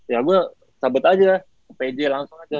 ya gue sabut aja ke pj langsung aja